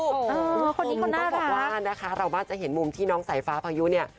ต้องบอกว่านะคะเรามักจะเห็นมุมที่น้องสายฟ้าพายุเนี่ย